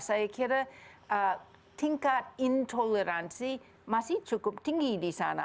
saya kira tingkat intoleransi masih cukup tinggi di sana